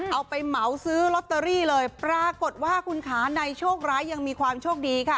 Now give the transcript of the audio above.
เอาไปเหมาซื้อลอตเตอรี่เลยปรากฏว่าคุณค้าในโชคร้ายยังมีความโชคดีค่ะ